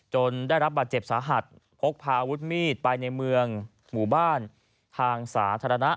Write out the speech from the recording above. ได้รับบาดเจ็บสาหัสพกพาอาวุธมีดไปในเมืองหมู่บ้านทางสาธารณะ